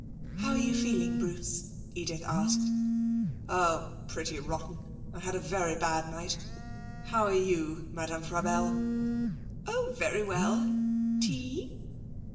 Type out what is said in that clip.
'How are you feeling, Bruce?' Edith asked. 'Oh, pretty rotten. I had a very bad night. How are you, Madame Frabelle?' 'Oh, very well. Tea?'